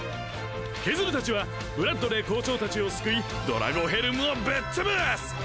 ケズルたちはブラッドレー校長たちを救いドラゴヘルムをぶっつぶす！